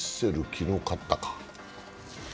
昨日勝ったか。